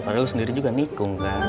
padahal sendiri juga nikung kan